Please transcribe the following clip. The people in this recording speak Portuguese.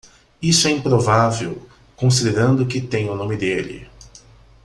Isso é improvável, considerando que tem o nome dele.